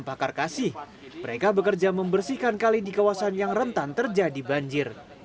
bakar kasih mereka bekerja membersihkan kali di kawasan yang rentan terjadi banjir